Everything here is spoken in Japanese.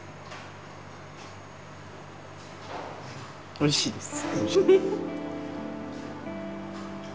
おいしいです。